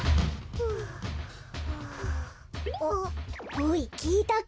おいきいたか？